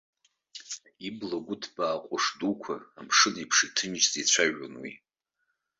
Ибла гәыҭбаа ҟәыш дуқәа амшын еиԥш иҭынчӡа дцәажәон уи.